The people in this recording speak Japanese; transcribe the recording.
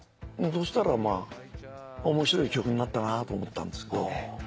そしたら面白い曲になったなと思ったんですけど。